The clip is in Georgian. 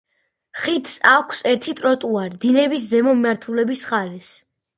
ხიდს აქვს ერთი ტროტუარი დინების ზემო მიმართულების მხარეს.